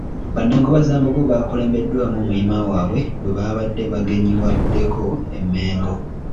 Bannankobazambogo bakulembeddwamu omuyima waabwe bwe baabadde bagenyiwaddeko e Mmengo.